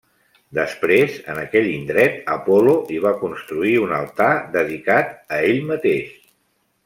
Després, en aquell indret, Apol·lo hi va construir un altar dedicat a ell mateix.